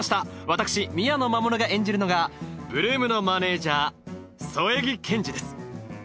私宮野真守が演じるのが８ＬＯＯＭのマネージャー添木ケンジです